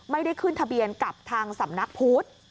ไม่ได้ขึ้นทะเบียนกับทางสำนักพุทธ